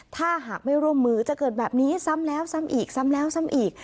ถ้าหากไม่ร่วมมือจะเกิดแบบนี้ซ้ำแล้วซ้ำอีกซ้ำแล้วซ้ำอีก